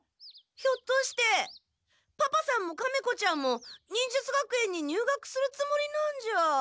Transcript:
ひょっとしてパパさんもカメ子ちゃんも忍術学園に入学するつもりなんじゃあ。